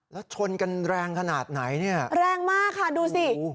แล้วชนกันแรงขนาดไหนเนี่ยแรงมากค่ะดูสิ